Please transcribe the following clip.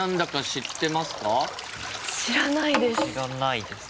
知らないです。